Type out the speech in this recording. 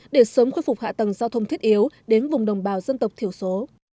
để sớm khôi phục hạ tầng giao thông thiết yếu đến vùng đồng bào dân tộc thiểu số